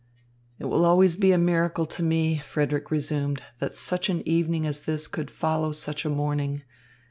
"It will always be a miracle to me," Frederick resumed, "that such an evening as this could follow such a morning.